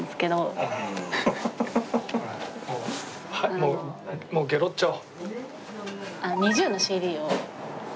もうゲロっちゃおう。